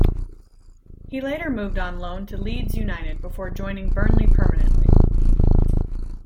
He later moved on loan to Leeds United before joining Burnley permanently.